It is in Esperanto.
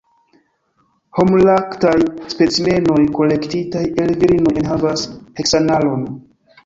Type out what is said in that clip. Homlaktaj specimenoj kolektitaj el virinoj enhavas heksanalon.